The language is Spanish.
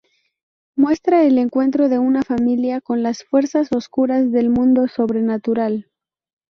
Muestra el encuentro de una familia con las fuerzas oscuras del mundo sobrenatural.